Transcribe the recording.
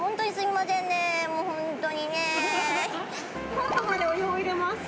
「ＨＯＴ」までお湯を入れます。